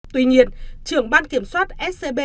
tuy nhiên trưởng ban kiểm soát scb